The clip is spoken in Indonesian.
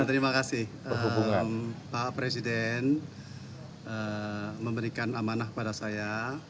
terima kasih pak presiden memberikan amanah pada saya